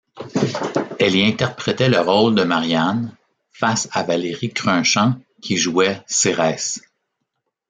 Elle y interprétait le rôle de Marianne face à Valérie Crunchant qui jouait Cérès.